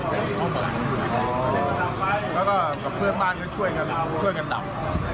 แล้วก็กับเพื่อนบ้านก็ช่วยกันดับ